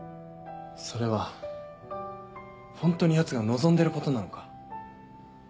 それは本当にヤツが望んでることなのか？